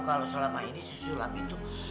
kalo selama ini si sulam itu